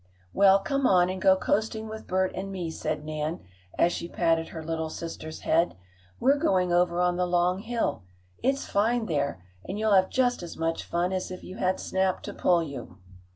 "Well, come on and go coasting with Bert and me," said Nan, as she patted her little sister's head. "We're going over on the long hill. It's fine there, and you'll have just as much fun as if you had Snap to pull you."